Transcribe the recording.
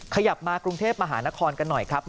ขยับมากรุงเทพมหานครกันหน่อยครับ